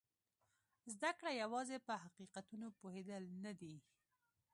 زده کړه یوازې په حقیقتونو پوهېدل نه دي.